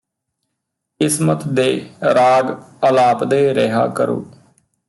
ਕਿਸਮਤ ਦੇ ਰਾਗ ਅਲਾਪਦੇ ਰਿਹਾ ਕਰੋ